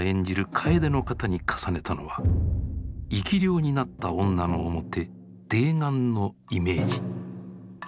楓の方に重ねたのは生き霊になった女の面「泥眼」のイメージ。